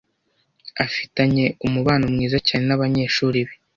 Afitanye umubano mwiza cyane nabanyeshuri be.